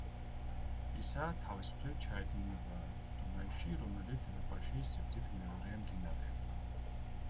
ტისა, თავის მხრივ ჩაედინება დუნაიში, რომელიც ევროპაში სიგრძით მეორე მდინარეა.